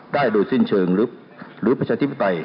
ได้โดยสิ้นเชิงหรือประชาธิปไตย